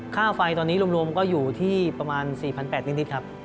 ค่าไฟตอนนี้รวมก็อยู่ที่ประมาณ๔๘๐๐ลิตรครับ